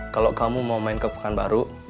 kalau kamu mau main kebukaan baru